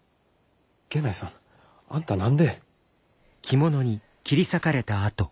源内さんあんた何で！